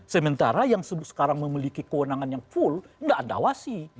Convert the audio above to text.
sementara yang sekarang memiliki kewenangan yang full tidak ada wasi